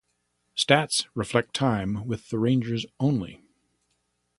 Stats reflect time with the Rangers only.